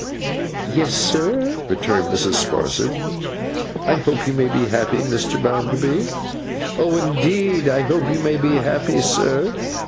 'Yes, sir,' returned Mrs. Sparsit. 'I hope you may be happy, Mr. Bounderby. Oh, indeed I hope you may be happy, sir!